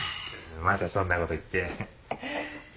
またそんなこと言って。